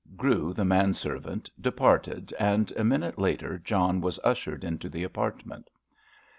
Grew, the man servant, departed, and a minute later John was ushered into the apartment.